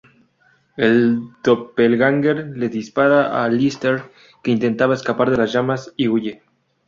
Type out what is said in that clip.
El doppelganger le dispara a Alister, que intentaba escapar de las llamas, y huye.